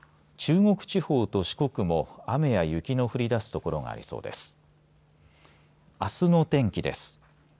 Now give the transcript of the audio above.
中国地方や四国も雨や雪の降りだす所がありそうです。